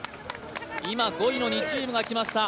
今、５位の２チームが来ました。